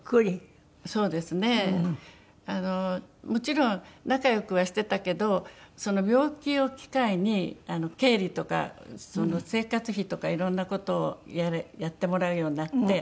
もちろん仲良くはしてたけどその病気を機会に経理とか生活費とかいろんな事をやってもらうようになって。